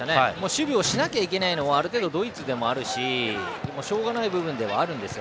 守備をしなきゃいけないのはある程度いつでもあるししょうがない部分ではあるんです。